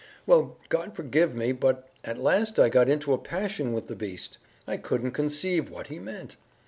"Well, God forgive me! but at last I got into a passion with the beast. I couldn't conceive what he meant.